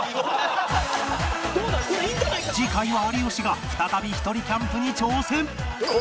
次回は有吉が再びひとりキャンプに挑戦